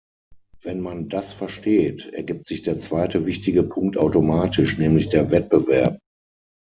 Wenn man das versteht, ergibt sich der zweite wichtige Punkt automatisch, nämlich der Wettbewerb.